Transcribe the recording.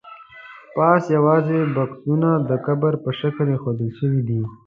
پاس یوازې بکسونه د قبر په شکل ایښودل شوي دي.